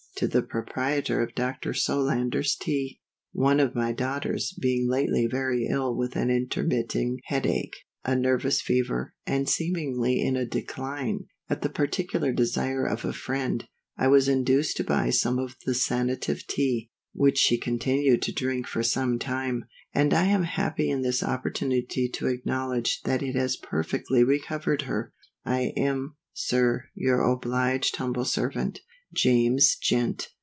To the Proprietor of Dr. SOLANDER'S TEA. ONE of my daughters being lately very ill with an intermitting head ache, a nervous fever, and seemingly in a decline, at the particular desire of a friend, I was induced to buy some of the Sanative Tea, which she continued to drink for some time, and I am happy in this opportunity to acknowledge that it has perfectly recovered her. I am, SIR, your obliged humble servant, JAMES GENT.